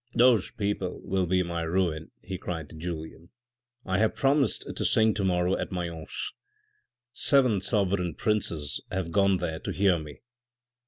" Those people will be my ruin," he cried to Julien, " I have promised to sing to morrow at Mayence. Seven sovereign princes have gone there to hear me.